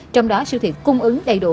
trong đó siêu thiệt cung ứng đầy đủ